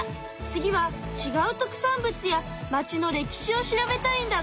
次はちがう特産物や町の歴史を調べたいんだって！